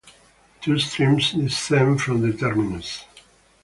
Two streams descend from the terminus.